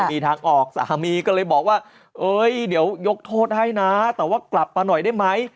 มีทางออกสามีก็เลยบอกว่าเอ้ยเดี๋ยวยกโทษให้นะแต่ว่ากลับมาหน่อยได้ไหม